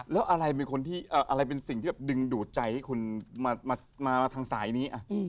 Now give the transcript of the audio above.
แล้วอะไรเป็นสิ่งที่ดึงดูดใจให้คุณมาทางสายนี้